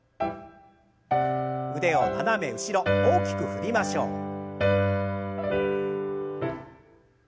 腕を斜め後ろ大きく振りましょう。